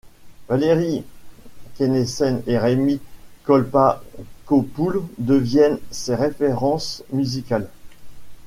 Valérie Quennessen et Remi Kolpa Kopoul deviennent ses références musicales.